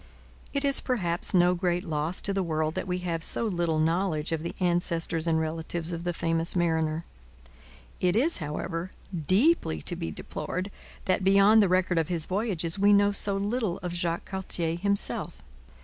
It is perhaps no great loss to the world that we have so little knowledge of the ancestors and relatives of the famous mariner. It is, however, deeply to be deplored that, beyond the record of his voyages, we know so little of Jacques Cartier himself.